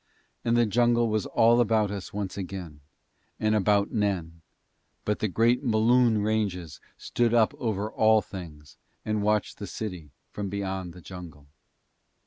And the jungle was all about us once again, and about Nen; but the great Mloon ranges stood up over all things, and watched the city from beyond the jungle.